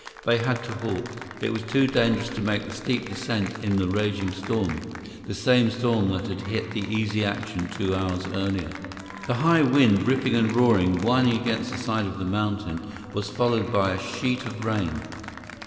They had to halt. It was too dangerous to make the steep descent in the raging storm, the same storm that had hit the Easy Action two hours earlier. 125 The high wind, ripping and roaring, whining against the side of the mountain, was followed by a sheet of rain.